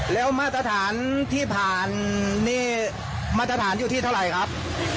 แล้วมาตรฐานที่ผ่านนี่มาตรฐานอยู่ที่เท่าไหร่ครับ